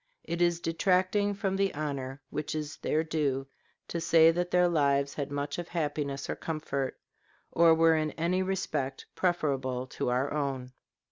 It is detracting from the honor which is their due to say that their lives had much of happiness or comfort, or were in any respect preferable to our own.